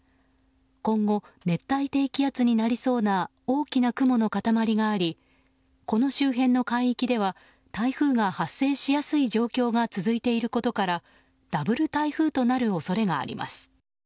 今後、熱帯低気圧になりそうな大きな雲の塊がありこの周辺の海域では台風が発生しやすい状況が続いていることからダブル台風となる恐れがあります。